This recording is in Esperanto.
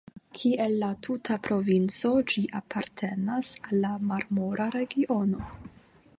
Kiel la tuta provinco, ĝi apartenas al la Marmora regiono.